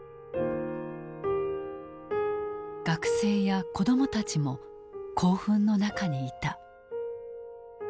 学生や子供たちも興奮の中にいた。